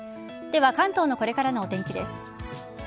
では関東のこれからのお天気です。